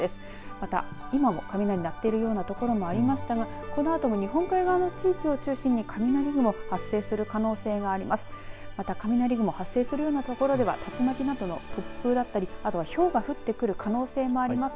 また、今も雷、鳴っているような所ありましたがこのあとも日本海の地域を中心に雷雲発生する可能性があります。